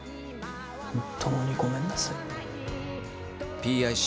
本当にごめんなさい。